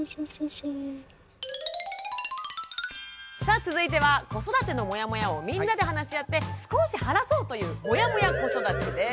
さあ続いては子育てのモヤモヤをみんなで話し合って少し晴らそうという「モヤモヤ子育て」です。